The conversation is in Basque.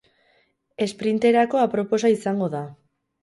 Esprinterako aproposa izango da.